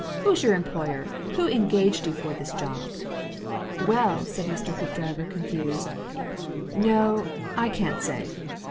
Who's your employer? Who engaged you for this job?" "Well," said Mr. Hoopdriver, confused. "No I can't say."